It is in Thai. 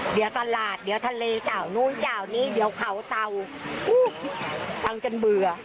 เดี๋ยวตลาดเดี๋ยวทะเลเจ้านู้นเจ้านี้เดี๋ยวเขาเตาฟังจนเบื่อ